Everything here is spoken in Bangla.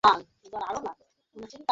এই জুটি বন্ধুত্ব গড়ে তোলে।